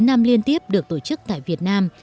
chín năm liên tiếp được tổ chức tại việt nam